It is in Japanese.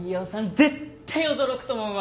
絶対驚くと思うわ！